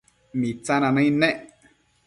Mitsina nëid nec